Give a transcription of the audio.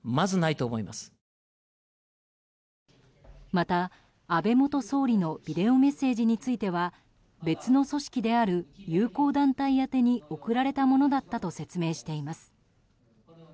また、安倍元総理のビデオメッセージについては別の組織である友好団体宛てに送られたものだったと説明しています。